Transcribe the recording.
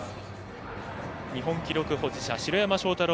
日本記録保持者城山正太郎。